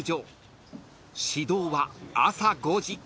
［始動は朝５時］